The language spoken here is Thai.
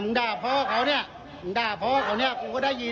มึงด่าเพราะเขาเนี่ยมึงด่าเพราะเขาเนี่ยกูก็ได้ยินเนี่ย